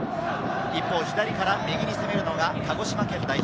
左から右に攻めるのが鹿児島県代表